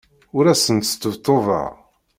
Ur asen-sṭebṭubeɣ.